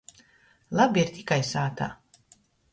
Labi ir tikai sātā.